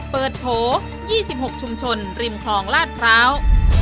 เปิดโผล่ยี่สิบหกชุมชนริมคลองลาดพร้าว